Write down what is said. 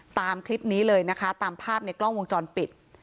ตามคลิปนี้เลยนะคะตามภาพในกล้องวงจรปิด